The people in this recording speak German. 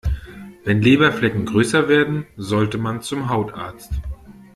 Wenn Leberflecken größer werden, sollte man zum Hautarzt.